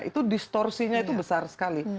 itu distorsinya itu besar sekali